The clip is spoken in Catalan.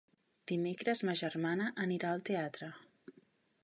Dimecres ma germana anirà al teatre.